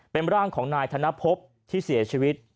เป็นร่างของนายธนภพที่เสียชีวิต